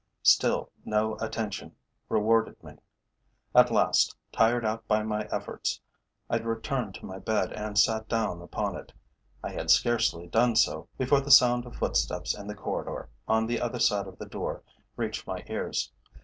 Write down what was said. Still no attention rewarded me. At last, tired out by my efforts, I returned to my bed and sat down upon it. I had scarcely done so, before the sound of footsteps in the corridor on the other side of the door reached my ears.